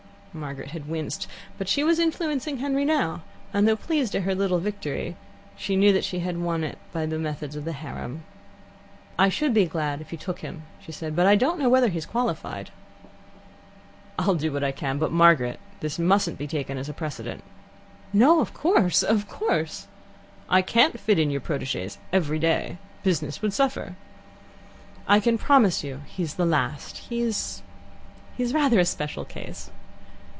Margaret had winced, but she was influencing Henry now, and though pleased at her little victory, she knew that she had won it by the methods of the harem. "I should be glad if you took him," she said, "but I don't know whether he's qualified." "I'll do what I can. But, Margaret, this mustn't be taken as a precedent." "No, of course of course " "I can't fit in your proteges every day. Business would suffer." "I can promise you he's the last. He he's rather a special case."